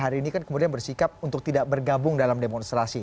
hari ini kan kemudian bersikap untuk tidak bergabung dalam demonstrasi